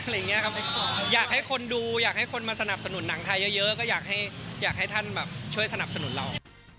อยากให้คนดูอยากให้คนมาสนับสนุนหนังไทยเยอะก็อยากให้ท่านแบบช่วยสนับสนุนเรา